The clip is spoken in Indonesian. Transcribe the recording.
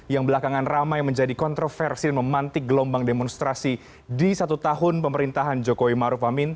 yang belakangan ramai menjadi kontroversi dan memantik gelombang demonstrasi di satu tahun pemerintahan jokowi maruf amin